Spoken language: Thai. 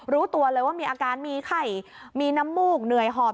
รู้ตัวเลยว่ามีอาการมีไข้มีน้ำมูกเหนื่อยหอบ